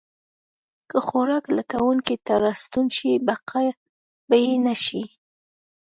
که خوراک لټونکي ته راستون شي، بقا به یې نه شي.